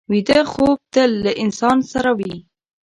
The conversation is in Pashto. ویده خوب تل له انسان سره وي